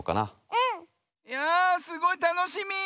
うん！やすごいたのしみ。